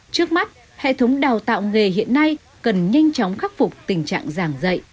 trước mắt hệ thống đào tạo nghề hiện nay cần nhanh chóng khắc phục tình trạng giảng dạy